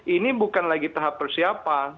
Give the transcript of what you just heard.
ini bukan lagi tahap persiapan